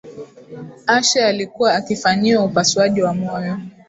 ashe alikuwa akifanyiwa upasuaji wa moyo